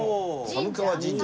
寒川神社。